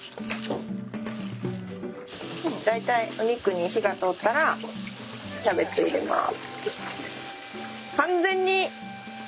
大体お肉に火が通ったらキャベツ入れます。